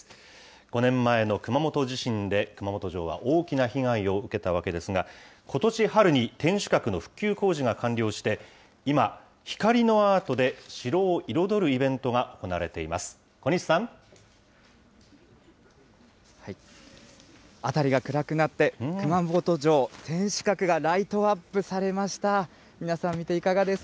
５年前の熊本地震で、熊本城は大きな被害を受けたわけですが、ことし春に天守閣の復旧工事が完了して、今、光のアートで城を彩るイベントが行われています。